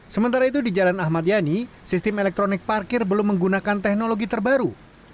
sementara itu di jalan ahmad yani sistem elektronik parkir belum menggunakan teknologi terbaru